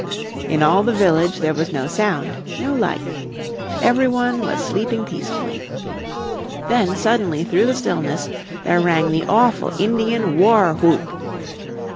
In all the village there was no sound, no light. Every one was sleeping peacefully. Then suddenly through the stillness there rang the awful Indian war whoop.